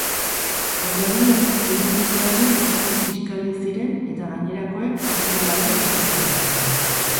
Ondorioz, hiru ibilgailu guztiz kiskali ziren eta gainerakoek kalte larriak izan zituzten.